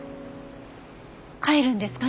帰るんですか？